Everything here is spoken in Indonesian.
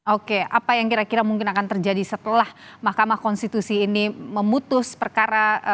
oke apa yang kira kira mungkin akan terjadi setelah mahkamah konstitusi ini memutus perkara